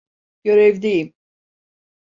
Görevdeyim.